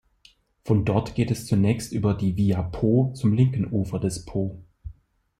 Von dort geht zunächst über die "Via Po" zum linken Ufer des Po.